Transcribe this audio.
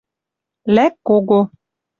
лӓк кого